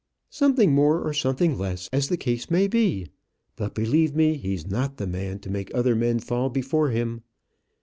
"Something more, or something less, as the case may be. But, believe me, he is not the man to make other men fall before him.